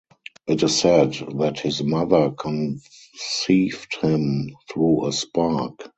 It is said that his mother conceived him through a spark.